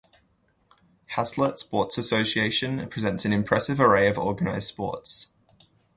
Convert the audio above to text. Haslet's Sports Association presents an impressive array of organized sports.